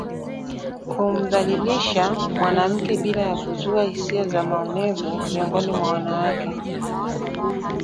kumdhalilisha mwanamke bila ya kuzua hisia za maonevu miongoni mwa wanawake